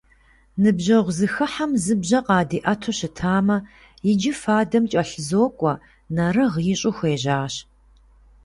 Ныбжьэгъу зэхыхьэм зы бжьэ къадиӏэту щытамэ, иджы фадэм кӏэлъызокӏуэ, нэрыгъ ищӏу хуежьащ.